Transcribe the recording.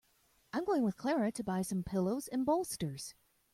I'm going with Clara to buy some pillows and bolsters.